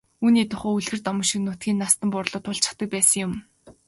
Үүний тухай л үлгэр домог шиг юм нутгийн настан буурлууд хуучилдаг байсан юм.